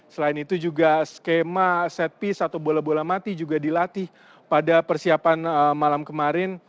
selain itu juga skema set piece atau bola bola mati juga dilatih pada persiapan malam kemarin